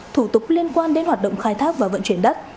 thủ tục liên quan đến hoạt động khai thác và vận chuyển đất